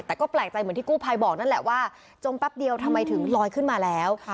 แต่ก็แปลกใจเหมือนที่กู้ภัยบอกนั่นแหละว่าจมแป๊บเดียวทำไมถึงลอยขึ้นมาแล้ว